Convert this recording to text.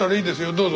どうぞ。